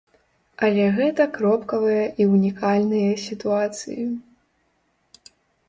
Але гэта кропкавыя і ўнікальныя сітуацыі.